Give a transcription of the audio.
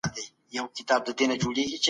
ښه ذهنیت خپګان نه پیدا کوي.